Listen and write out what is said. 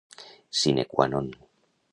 Sine qua non.